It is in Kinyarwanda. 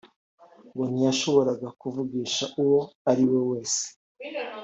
ngo ntiyashoboraga kuvugisha uwo ari we wese